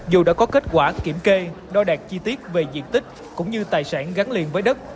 dù đã có kết quả kiểm kê đo đạt chi tiết về diện tích cũng như tài sản gắn liền với đất